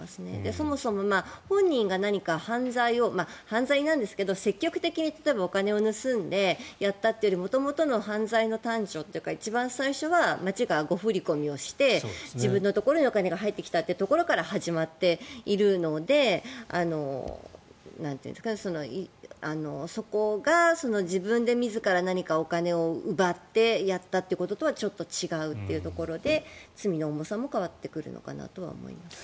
そもそも本人が何か犯罪をまあ犯罪なんですけど積極的に例えば、お金を盗んでやったというよりも元々の犯罪の端緒というかきっかけは町が誤振り込みをして自分のところにお金が入ってきたというところから始まっているのでそこが自分で自ら何かお金を奪ってやったということとはちょっと違うというところで罪の重さは変わってくるのかと思います。